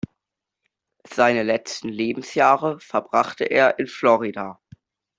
Seine letzten Lebensjahre verbrachte er in Florida.